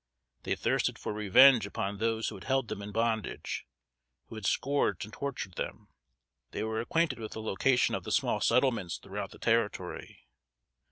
They thirsted for revenge upon those who had held them in bondage; who had scourged and tortured them. They were acquainted with the location of the small settlements throughout the Territory.